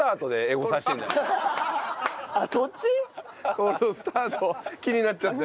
コールドスタート気になっちゃって。